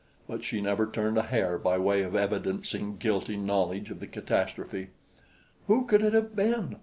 But she never turned a hair by way of evidencing guilty knowledge of the catastrophe. "Who could it have been?"